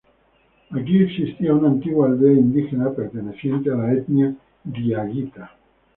Aquí existía una antigua aldea indígena perteneciente a la etnia diaguita.